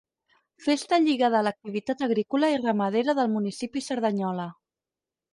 Festa lligada a l'activitat agrícola i ramadera del municipi Cerdanyola.